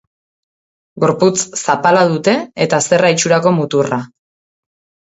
Gorputz zapala dute eta zerra itxurako muturra.